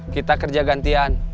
kita kerja gantian